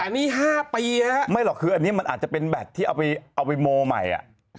แต่นี่ห้าปีอ่ะไม่หรอกคืออันนี้มันอาจจะเป็นแบตที่เอาไปเอาไปโม่ใหม่อ่ะ